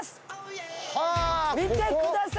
見てください